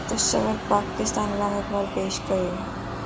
تصورِ پاڪستان علاما اقبال پيش ڪيو